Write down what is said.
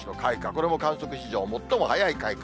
これも観測史上、最も早い開花。